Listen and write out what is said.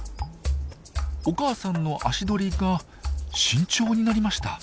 お母さんの足取りが慎重になりました。